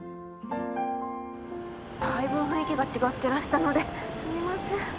だいぶ雰囲気が違ってらしたのですみません